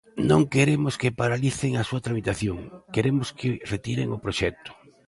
Non queremos que paralicen a súa tramitación, queremos que retiren o proxecto.